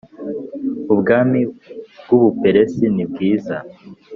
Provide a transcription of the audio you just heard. ubwami bw u Buperesi nibwiza